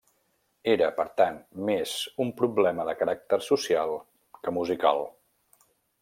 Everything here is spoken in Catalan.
Era, per tant, més un problema de caràcter social que musical.